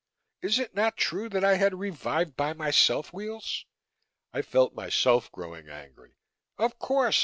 Is it not true that I had revived by myself, Weels?" I felt myself growing angry. "Of course!